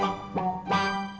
transfer pemain buat selby